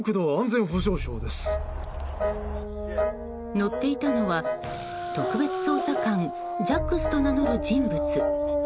乗っていたのは特別捜査官ジャックスと名乗る人物。